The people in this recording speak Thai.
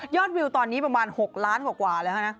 ยอดวิวตอนนี้ประมาณ๖ล้านกว่าเลยค่ะนะ